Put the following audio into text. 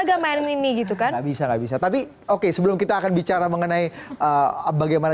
gak mainin ini gitu kan bisa bisa tapi oke sebelum kita akan bicara mengenai bagaimana